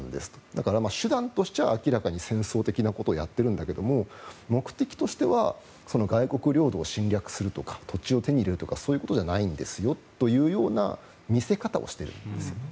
だから、手段としては明らかに戦争的なことをやっているんだけど目的としては外国領土を侵略するとか土地を手に入れるとかそういうことじゃないんですよというような見せ方をしてるんですよね。